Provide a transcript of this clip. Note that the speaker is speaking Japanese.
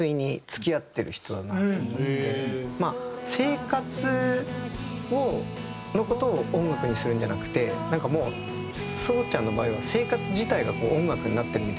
まあ生活の事を音楽にするんじゃなくてなんかもう壮ちゃんの場合は生活自体が音楽になってるみたいに。